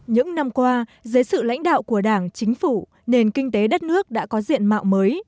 những năm qua dưới sự lãnh đạo của đảng chính phủ nền kinh tế đất nước đã có diện mạo mới